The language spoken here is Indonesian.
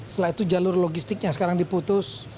setelah itu jalur logistiknya sekarang diputus